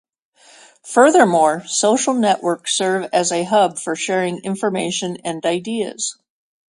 Furthermore, social networks serve as a hub for sharing information and ideas.